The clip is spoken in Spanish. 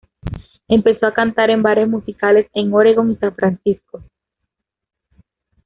Empezó a cantar en bares musicales en Oregón y San Francisco.